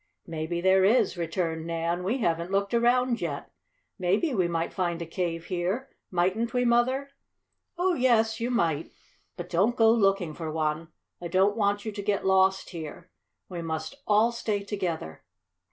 "Maybe there is," returned Nan. "We haven't looked around yet. Maybe we might find a cave here; mightn't we, Mother?" "Oh, yes, you might. But don't go looking for one. I don't want you to get lost here. We must all stay together."